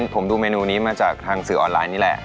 ผมดูเมนูนี้มาจากทางสื่อออนไลน์นี่แหละ